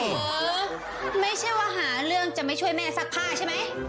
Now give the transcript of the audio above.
โหไม่ใช่ว่าหาเรื่องจะไม่ช่วยแม่ศักริย์ผ้าใช่มั้ย